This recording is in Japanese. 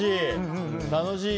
楽しい！